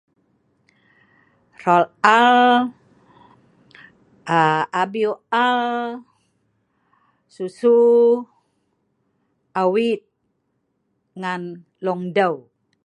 Hrol aal, abieu aal ,susu ,awiit ngan long deu